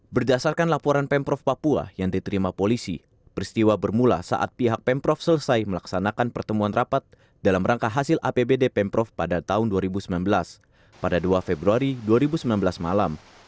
berdasarkan laporan pemprov papua yang diterima polisi peristiwa bermula saat pihak pemprov selesai melaksanakan pertemuan rapat dalam rangka hasil apbd pemprov pada tahun dua ribu sembilan belas pada dua februari dua ribu sembilan belas malam